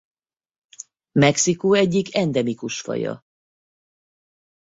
Mexikó egyik endemikus faja.